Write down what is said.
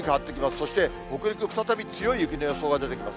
そして北陸、再び強い雪の予想が出てきます。